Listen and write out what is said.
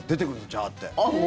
ジャーッて。